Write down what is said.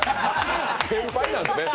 先輩なんすね？